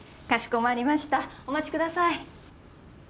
かしこまりましたお待ちください。